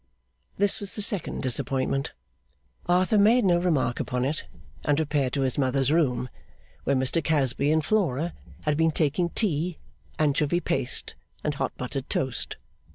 This was the second disappointment. Arthur made no remark upon it, and repaired to his mother's room, where Mr Casby and Flora had been taking tea, anchovy paste, and hot buttered toast.